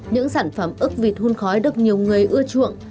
những sản phẩm ức vịt hun khói được nhiều người ưa chuộng